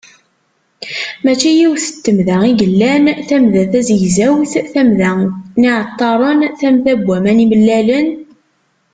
Mačči yiwet n temda i yellan: tamda tazegzawt, tamda n yiɛeṭṭaren, tamda n waman imellalen…